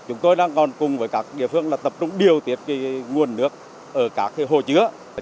chúng tôi đang còn cùng với các địa phương là tập trung điều tiết nguồn nước ở các hồ chứa